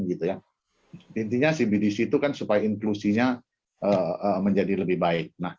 intinya cbdc itu kan supaya inklusinya menjadi lebih baik